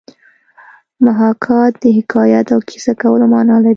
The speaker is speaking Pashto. محاکات د حکایت او کیسه کولو مانا لري